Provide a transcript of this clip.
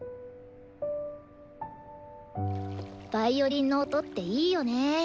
ヴァイオリンの音っていいよね。